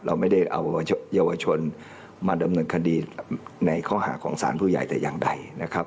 เราไม่ได้เอาเยาวชนมาดำเนินคดีในข้อหาของสารผู้ใหญ่แต่อย่างใดนะครับ